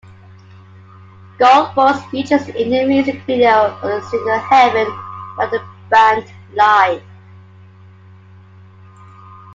Gullfoss features in the music video for the single "Heaven" by the band Live.